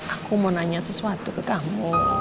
aku mau nanya sesuatu ke kamu